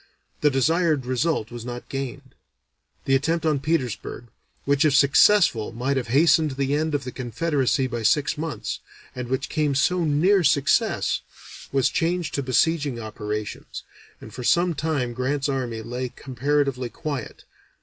The desired result was not gained; the attempt on Petersburg, which if successful might have hastened the end of the Confederacy by six months, and which came so near success, was changed to besieging operations, and for some time Grant's army lay comparatively quiet.